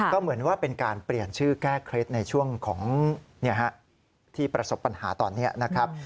ก็เหมือนว่าเป็นการเปลี่ยนชื่อแก้เคล็ดในช่วงของที่ประสบปัญหาตอนนี้นะครับ